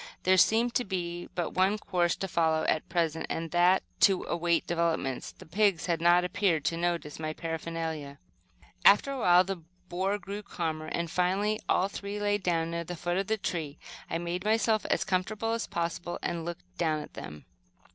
There seemed to be but one course to follow, at present, and that to await developments. The pigs had not appeared to notice my paraphernalia. After a while the boar grew calmer, and finally all three lay down near the foot of the tree. I made myself as comfortable as possible, and looked down at them.